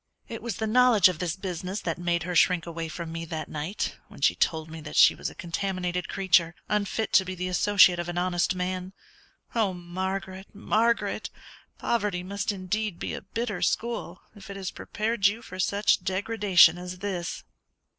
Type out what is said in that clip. "It was the knowledge of this business that made her shrink away from me that night when she told me that she was a contaminated creature, unfit to be the associate of an honest man Oh, Margaret, Margaret! poverty must indeed be a bitter school if it has prepared you for such degradation as this!"